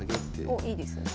おっいいですね。